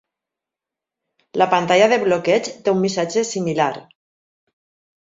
La pantalla de bloqueig té un missatge similar.